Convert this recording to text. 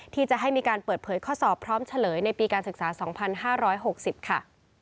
ที่จะให้มีการเปิดเผยข้อสอบพร้อมเฉลยในปีการศึกษา๒๕๖๐ค่ะ